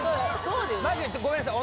マジでごめんなさい